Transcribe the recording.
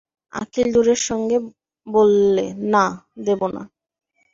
অখিল জোরের সঙ্গে বললে, না, দেব না।